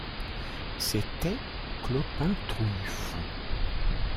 C’était Clopin Trouillefou.